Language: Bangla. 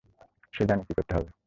সে জানে কী করতে হবে!